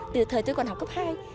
từ thời tôi còn học cấp hai